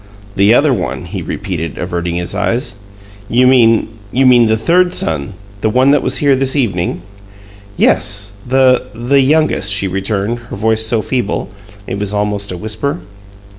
"'The other one'," he repeated, averting his eyes. "You mean you mean the third son the one that was here this evening?" "Yes, the the youngest," she returned, her voice so feeble it was almost a whisper.